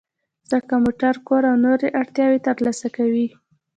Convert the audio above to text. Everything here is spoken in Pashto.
ځکه موټر، کور او نورې اړتیاوې ترلاسه کوئ.